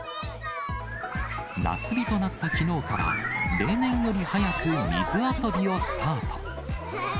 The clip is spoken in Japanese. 夏日となったきのうから、例年より早く水遊びをスタート。